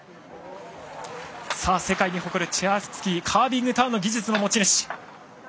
さあ世界に誇るチェアスキーカービングターンの技術の持ち主。